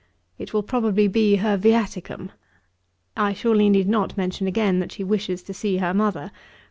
It will probably be her viaticum. I surely need not mention again that she wishes to see her mother.